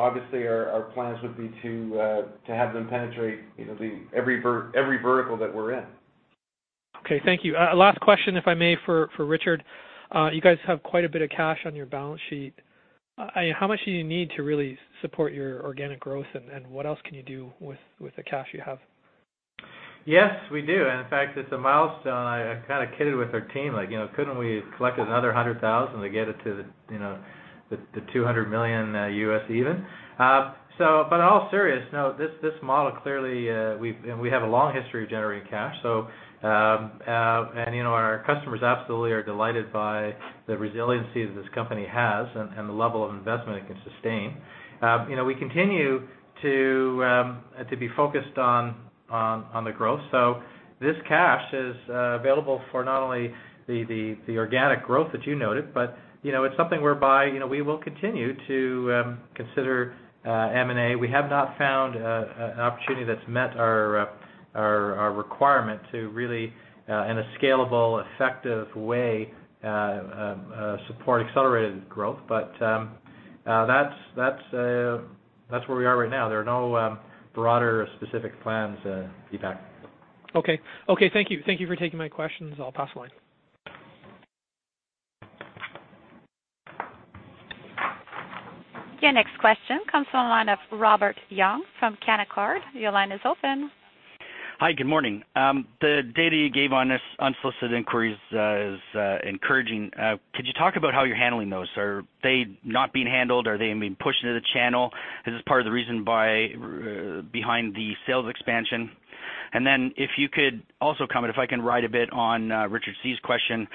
Obviously, our plans would be to have them penetrate every vertical that we're in.
Okay, thank you. Last question, if I may, for Richard. You guys have quite a bit of cash on your balance sheet. How much do you need to really support your organic growth, and what else can you do with the cash you have?
Yes, we do. In fact, it's a milestone. I kind of kidded with our team, like, "Couldn't we collect another $100,000 to get it to the $200 million U.S. even?" In all serious note, this model, clearly, we have a long history of generating cash. Our customers absolutely are delighted by the resiliency that this company has and the level of investment it can sustain. We continue to be focused on the growth. This cash is available for not only the organic growth that you noted, but it's something whereby we will continue to consider M&A. We have not found an opportunity that's met our requirement to really, in a scalable, effective way, support accelerated growth. That's where we are right now. There are no broader specific plans, Deepak.
Okay. Thank you for taking my questions. I'll pass the line.
Your next question comes from the line of Robert Young from Canaccord. Your line is open.
Hi, good morning. The data you gave on unsolicited inquiries is encouraging. Could you talk about how you're handling those? Are they not being handled? Are they being pushed into the channel as part of the reason behind the sales expansion? If you could also comment, if I can ride a bit on Richard Tse's question,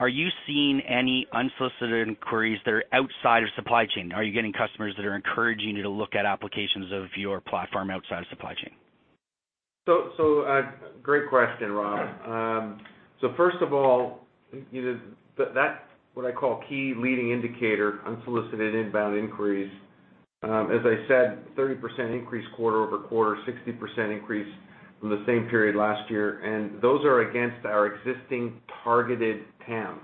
are you seeing any unsolicited inquiries that are outside of supply chain? Are you getting customers that are encouraging you to look at applications of your platform outside of supply chain?
Great question, Rob. First of all, that's what I call key leading indicator, unsolicited inbound inquiries. As I said, 30% increase quarter-over-quarter, 60% increase from the same period last year. Those are against our existing targeted TAM.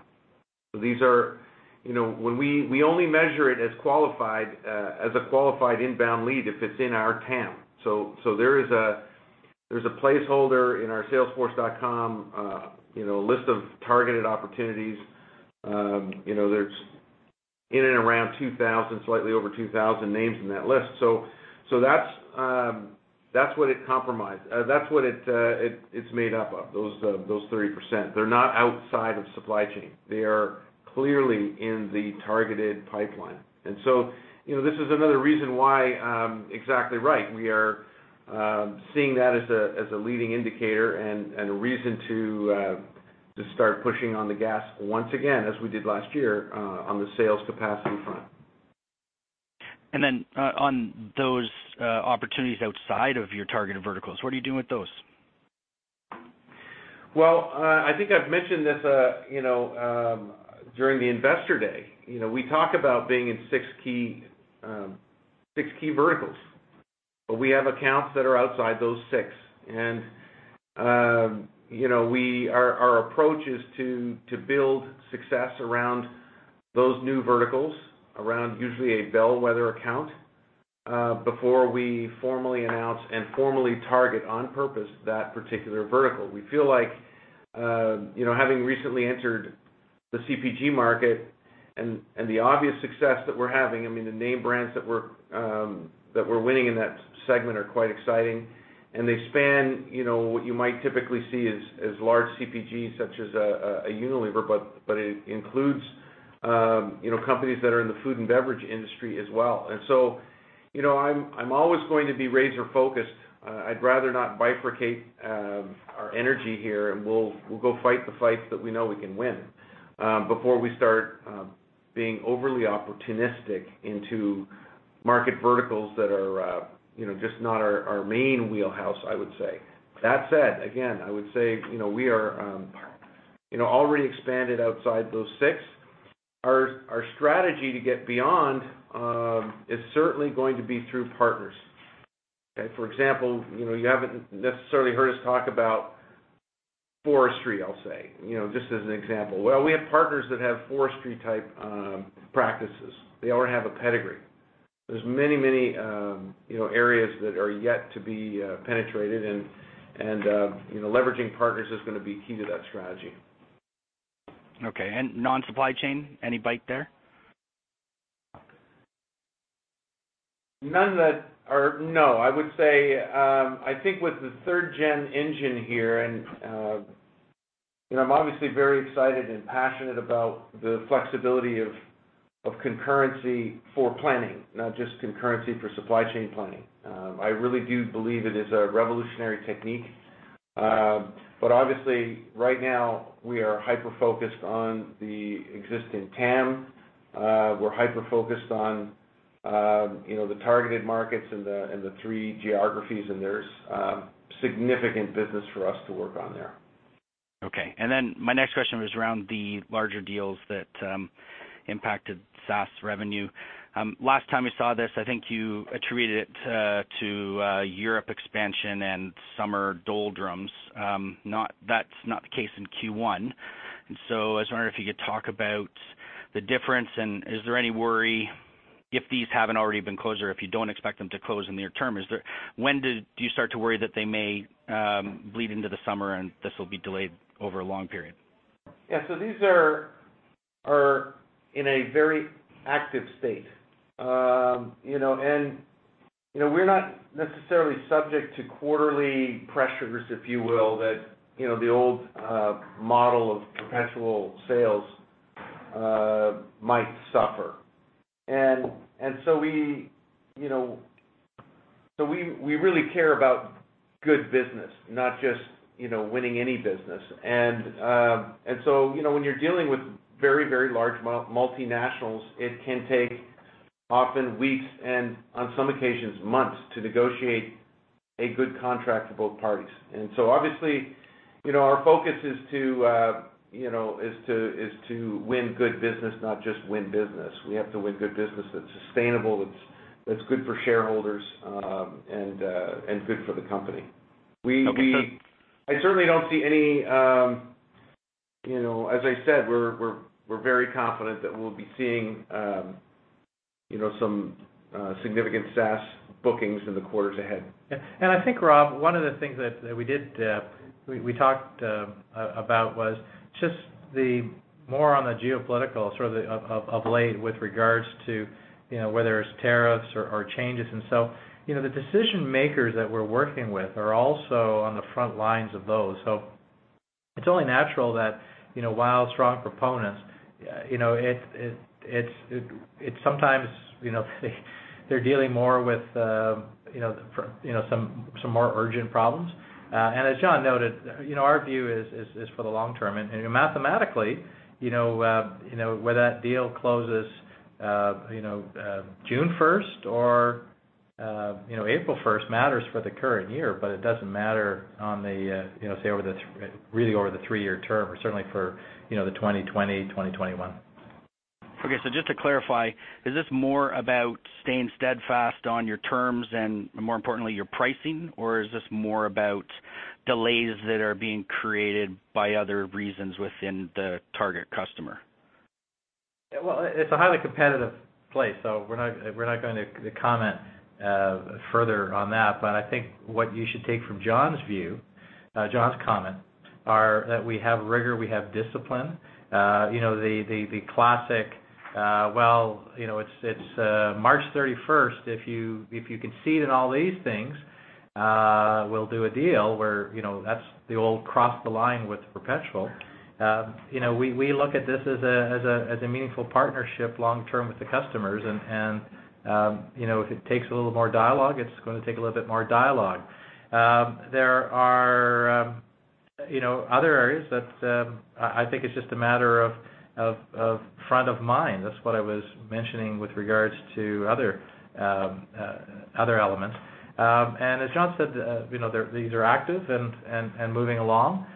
We only measure it as a qualified inbound lead if it's in our TAM. There's a placeholder in our Salesforce, a list of targeted opportunities. There's in and around 2,000, slightly over 2,000 names in that list. That's what it's made up of, those 30%. They're not outside of supply chain. They are clearly in the targeted pipeline. This is another reason why, exactly right, we are seeing that as a leading indicator and a reason to start pushing on the gas once again, as we did last year, on the sales capacity front.
On those opportunities outside of your targeted verticals, what are you doing with those?
Well, I think I've mentioned this during the investor day. We talk about being in six key verticals, but we have accounts that are outside those six. Our approach is to build success around those new verticals, around usually a bellwether account, before we formally announce and formally target on purpose that particular vertical. We feel like, having recently entered the CPG market and the obvious success that we're having, I mean, the name brands that we're winning in that segment are quite exciting, and they span what you might typically see as large CPG, such as a Unilever, but it includes companies that are in the food and beverage industry as well. I'm always going to be razor-focused. I'd rather not bifurcate our energy here, and we'll go fight the fights that we know we can win, before we start being overly opportunistic into market verticals that are just not our main wheelhouse, I would say. That said, again, I would say we are already expanded outside those six. Our strategy to get beyond, is certainly going to be through partners. For example, you haven't necessarily heard us talk about forestry, I'll say, just as an example. Well, we have partners that have forestry-type practices. They already have a pedigree. There's many areas that are yet to be penetrated and leveraging partners is going to be key to that strategy.
Okay. Non-supply chain, any bite there?
No. I would say, I think with the 3rd-gen engine here, and I'm obviously very excited and passionate about the flexibility of concurrency for planning, not just concurrency for supply chain planning. I really do believe it is a revolutionary technique. Obviously, right now, we are hyper-focused on the existing TAM. We're hyper-focused on the targeted markets and the three geographies, and there's significant business for us to work on there.
Okay. My next question was around the larger deals that impacted SaaS revenue. Last time we saw this, I think you attributed it to Europe expansion and summer doldrums. That's not the case in Q1. I was wondering if you could talk about the difference, and is there any worry if these haven't already been closed or if you don't expect them to close in the near term, when do you start to worry that they may bleed into the summer and this will be delayed over a long period?
Yeah. These are in a very active state. We're not necessarily subject to quarterly pressures, if you will, that the old model of perpetual sales might suffer. We really care about good business, not just winning any business. When you're dealing with very large multinationals, it can take often weeks, and on some occasions, months to negotiate a good contract for both parties. Obviously, our focus is to win good business, not just win business. We have to win good business that's sustainable, that's good for shareholders, and good for the company.
Okay. Sure.
As I said, we're very confident that we'll be seeing some significant SaaS bookings in the quarters ahead.
I think, Rob, one of the things that we talked about was just more on the geopolitical sort of late with regards to whether it's tariffs or changes. The decision-makers that we're working with are also on the front lines of those. It's only natural that while strong proponents, sometimes, they're dealing more with some more urgent problems. As John noted, our view is for the long term. Mathematically, whether that deal closes June 1st or April 1st matters for the current year, but it doesn't matter, say, really over the three-year term, or certainly for the 2020, 2021.
Just to clarify, is this more about staying steadfast on your terms and more importantly, your pricing, or is this more about delays that are being created by other reasons within the target customer?
It's a highly competitive place, so we're not going to comment further on that. I think what you should take from John's comment are that we have rigor, we have discipline. The classic, "Well, it's March 31st. If you concede on all these things, we'll do a deal," where that's the old cross the line with Perpetual. We look at this as a meaningful partnership long term with the customers, and if it takes a little more dialogue, it's going to take a little bit more dialogue. There are other areas that I think it's just a matter of front of mind. That's what I was mentioning with regards to other elements. As John said, these are active and moving along.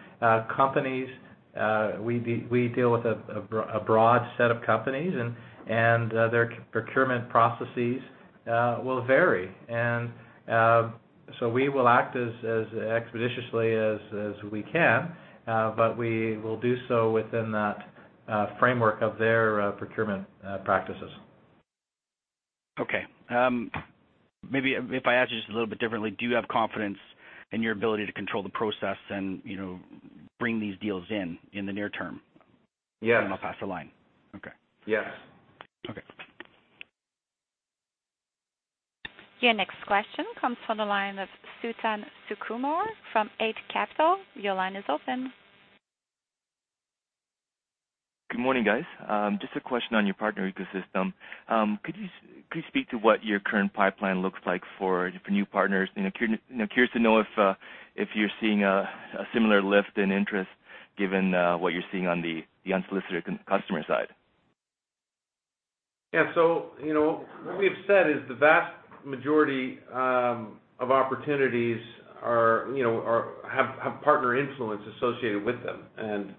We deal with a broad set of companies, and their procurement processes will vary. We will act as expeditiously as we can, we will do so within that framework of their procurement practices.
Maybe if I ask you just a little bit differently, do you have confidence in your ability to control the process and bring these deals in the near term?
Yes.
I'll pass the line. Okay.
Yes.
Okay.
Your next question comes from the line of Suthan Sukumar from Eight Capital. Your line is open.
Good morning, guys. Just a question on your partner ecosystem. Could you speak to what your current pipeline looks like for new partners? Curious to know if you're seeing a similar lift in interest given what you're seeing on the unsolicited customer side.
Yeah. What we've said is the vast majority of opportunities have partner influence associated with them.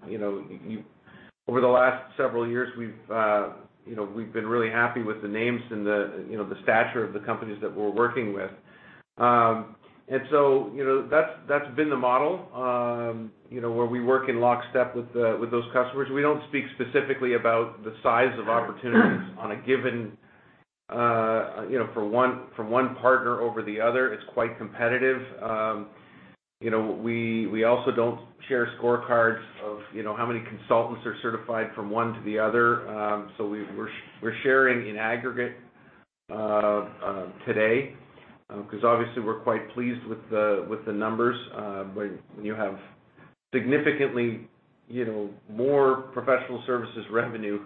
Over the last several years, we've been really happy with the names and the stature of the companies that we're working with. That's been the model, where we work in lockstep with those customers. We don't speak specifically about the size of opportunities from one partner over the other. It's quite competitive. We also don't share scorecards of how many consultants are certified from one to the other. We're sharing in aggregate today, because obviously, we're quite pleased with the numbers. When you have significantly more professional services revenue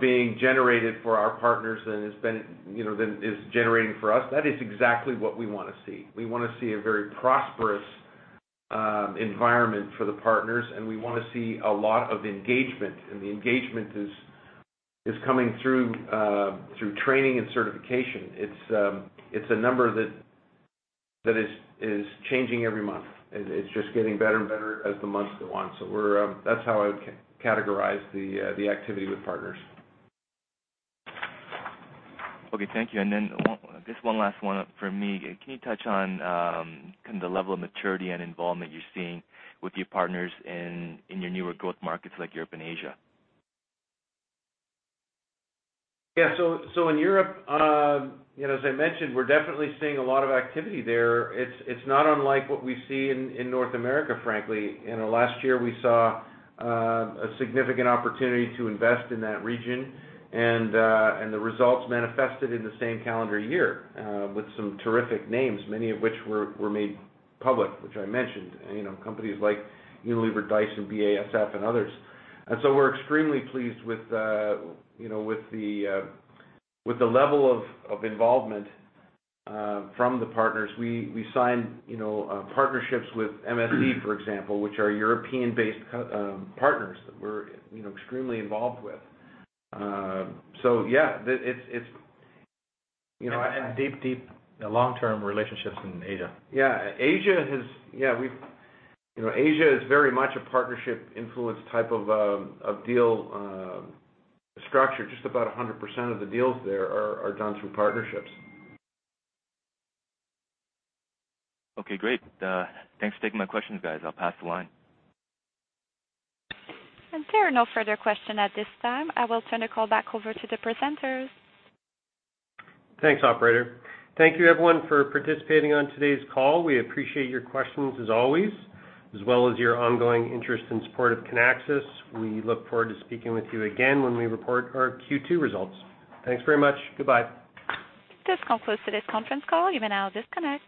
being generated for our partners than is generating for us, that is exactly what we want to see. We want to see a very prosperous environment for the partners. We want to see a lot of engagement, and the engagement is coming through training and certification. It's a number that is changing every month. It's just getting better and better as the months go on. That's how I would categorize the activity with partners.
Okay. Thank you. Then, just one last one from me. Can you touch on kind of the level of maturity and involvement you're seeing with your partners in your newer growth markets like Europe and Asia?
Yeah. In Europe, as I mentioned, we're definitely seeing a lot of activity there. It's not unlike what we see in North America, frankly. Last year, we saw a significant opportunity to invest in that region, and the results manifested in the same calendar year, with some terrific names, many of which were made public, which I mentioned. Companies like Unilever, Dyson, BASF, and others. We're extremely pleased with the level of involvement from the partners. We signed partnerships with MHP, for example, which are European-based partners that we're extremely involved with. Yeah, it's.
Deep, long-term relationships in Asia.
Yeah. Asia is very much a partnership influence type of deal structure. Just about 100% of the deals there are done through partnerships.
Okay, great. Thanks for taking my questions, guys. I'll pass the line.
There are no further question at this time. I will turn the call back over to the presenters.
Thanks, operator. Thank you, everyone, for participating on today's call. We appreciate your questions as always, as well as your ongoing interest and support of Kinaxis. We look forward to speaking with you again when we report our Q2 results. Thanks very much. Goodbye.
This concludes today's conference call. You may now disconnect.